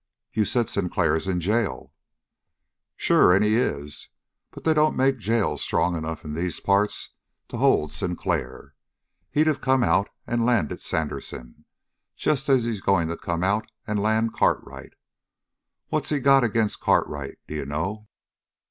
"You said Sinclair is in jail." "Sure, and he is. But they don't make jails strong enough in these parts to hold Sinclair. He'd have come out and landed Sandersen, just as he's going to come out and land Cartwright. What has he got agin' Cartwright, d'you know?"